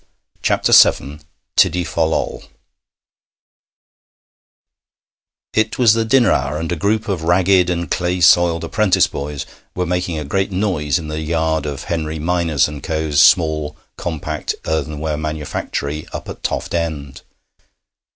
TIDDY FOL LOL It was the dinner hour, and a group of ragged and clay soiled apprentice boys were making a great noise in the yard of Henry Mynors and Co.'s small, compact earthenware manufactory up at Toft End.